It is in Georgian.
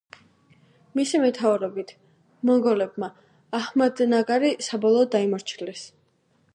მისი მეთაურობით მოგოლებმა აჰმადნაგარი საბოლოოდ დაიმორჩილეს.